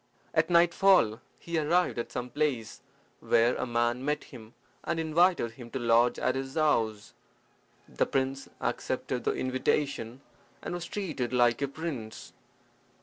At nightfall he arrived at some place, where a man met him, and invited him to lodge at his house. The prince accepted the invitation, and was treated like a prince.